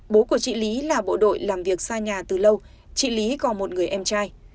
bố của chị lý là bộ đội làm việc xa nhà từ lâu chị lý còn một người em trai